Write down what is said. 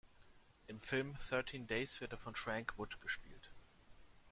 Im Film "Thirteen Days" wird er von Frank Wood gespielt.